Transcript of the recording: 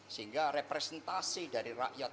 sehingga representasi dari rakyat